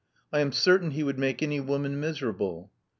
I am certain he would make any woman miserable."